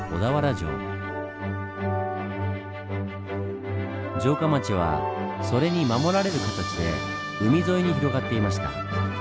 城下町はそれに守られる形で海沿いに広がっていました。